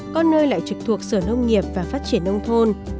có nơi lại trực thuộc sở nông nghiệp và phát triển nông thôn